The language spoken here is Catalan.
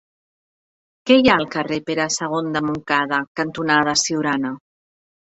Què hi ha al carrer Pere II de Montcada cantonada Siurana?